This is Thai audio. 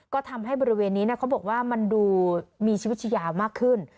ก็ทำให้บริเวณนี้เขาบอกว่ามันดูมีชีวิตชยามากขึ้น